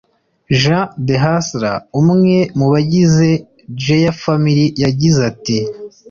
Jean the Hustla umwe mu bagize Jayels Family yagize ati